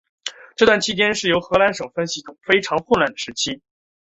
这段期间是荷兰省分系统非常混乱的时期。